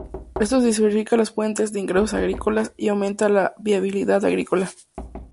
Esto diversifica las fuentes de ingresos agrícolas y aumenta la viabilidad agrícola.